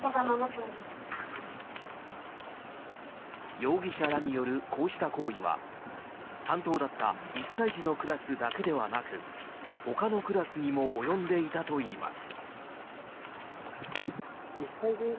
容疑者らによるこうした行為は担当だった１歳児のクラスだけではなくほかのクラスにも及んでいたといいます。